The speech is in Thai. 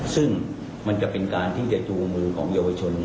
ซึ่งมันจะเป็นการที่จะจูงมือของเยาวชน